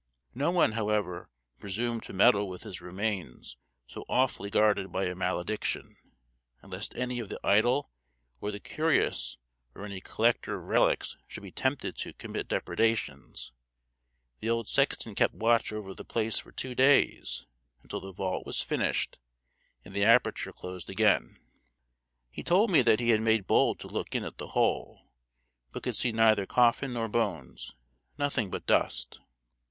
No one, however, presumed to meddle with his remains so awfully guarded by a malediction; and lest any of the idle or the curious or any collector of relics should be tempted to commit depredations, the old sexton kept watch over the place for two days, until the vault was finished and the aperture closed again. He told me that he had made bold to look in at the hole, but could see neither coffin nor bones nothing but dust.